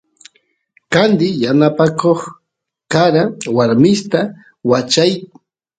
candi yanapakoq karawarmista wachay